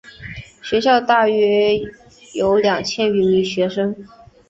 学校约有两千余名学生。